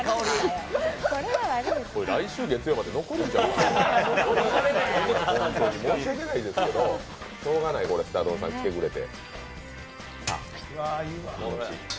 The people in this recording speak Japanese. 来週月曜まで残るんじゃないか申し訳ないですけどしょうがない、すた丼さん来てくれて。